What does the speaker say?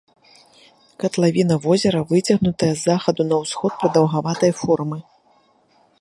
Катлавіна возера выцягнутая з захаду на ўсход, прадаўгаватай формы.